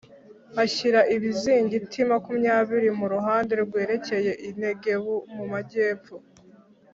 ashyira ibizingiti makumyabiri mu ruhande rwerekeye i Negebu mu majyepfo